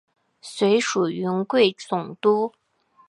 随署云贵总督。